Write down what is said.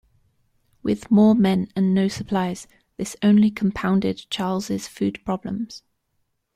With more men and no supplies, this only compounded Charles's food problems.